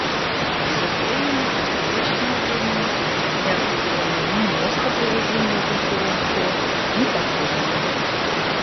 К сожалению, к настоящему времени не определены ни место проведения Конференции, ни посредник.